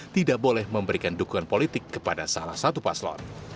tidak boleh memberikan dukungan politik kepada salah satu paslon